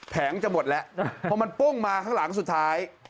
แงจะหมดแล้วพอมันปุ้งมาข้างหลังสุดท้าย